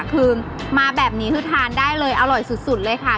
คือมาแบบนี้คือทานได้เลยอร่อยสุดเลยค่ะ